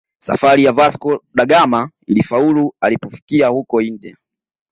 Safari ya Vasco da Gama ilifaulu alipofikia huko India